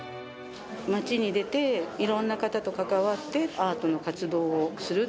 街に出て、いろんな方と関わって、アートの活動をする。